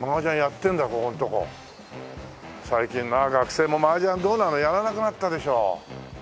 最近な学生も麻雀どうなの？やらなくなったでしょ。